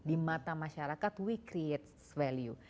di mata masyarakat we create value